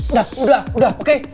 udah udah udah oke